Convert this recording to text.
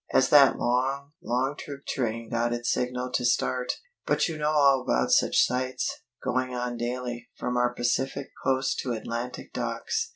As that long, long troop train got its signal to start, but you know all about such sights, going on daily, from our Pacific coast to Atlantic docks.